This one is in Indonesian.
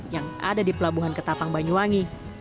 yang ada di pelabuhan ketapang banyuwangi